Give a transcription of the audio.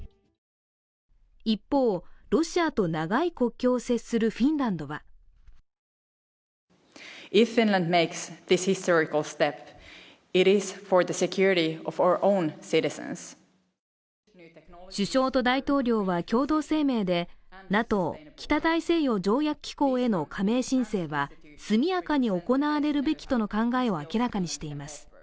一方、ロシアと長い国境を接するフィンランドは首相と大統領は共同声明でＮＡＴＯ＝北大西洋条約機構への加盟申請は速やかに行われるべきとの考えを明らかにしています。